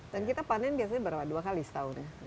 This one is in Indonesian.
dan kita panen biasanya berapa dua kali setahun ya